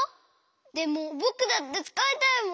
でもぼくだってつかいたいもん。